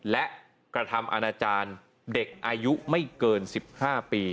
และกระทำอาณาจารย์เด็กอายุไม่เกิน๑๕ปี